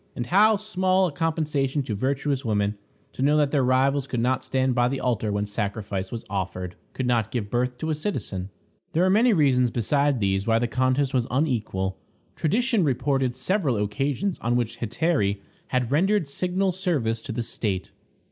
And how small a compensation to virtuous women to know that their rivals could not stand by the altar when sacrifice was offered; could not give birth to a citizen! There are many reasons besides these why the contest was unequal. Tradition reported several occasions on which hetairæ had rendered signal service to the state.